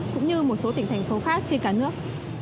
cũng như một số tỉnh thành phố khác trên cả nước